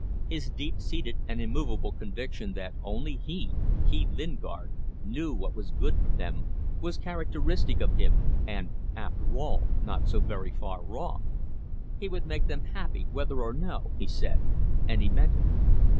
His deep seated and immovable conviction that only he he, Lingard knew what was good for them was characteristic of him and, after all, not so very far wrong. He would make them happy whether or no, he said, and he meant it.